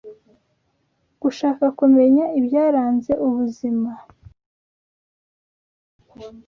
Mu gushaka kumenya ibyaranze ubuzima